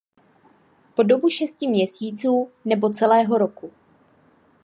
Po dobu šesti měsíců, nebo celého roku.